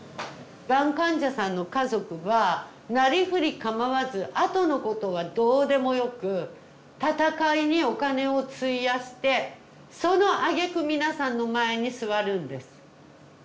がん患者さんの家族はなりふり構わずあとのことはどうでもよく闘いにお金を費やしてそのあげく皆さんの前に座るんです。